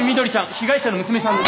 被害者の娘さんです。